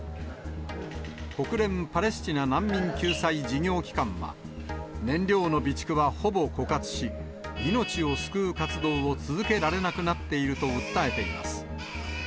国連パレスチナ難民救済事業機関は、燃料の備蓄はほぼ枯渇し、命を救う活動を続けられなくなっていると訴えています。